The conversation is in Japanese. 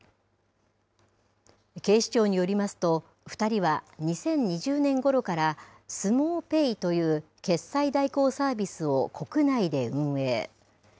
警視庁によりますと、２人は２０２０年ごろから、スモウペイという決済代行サービスを国内で運営。